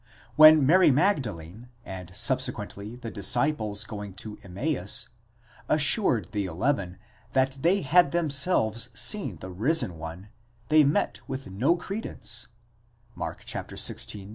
when Mary Magdalene, and subsequently the disciples going to Emmaus, assured the eleven, that they had themselves seen the risen one, they met with no credence (Mark xvi.